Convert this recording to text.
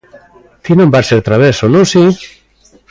Ti non vas ser traveso, ¿non si?